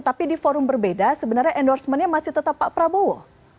tapi di forum berbeda sebenarnya endorsementnya masih tetap pak prabowo